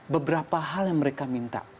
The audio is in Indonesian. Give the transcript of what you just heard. beberapa hal yang mereka minta